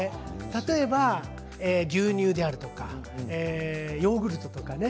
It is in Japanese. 例えば牛乳であるとかヨーグルトとかね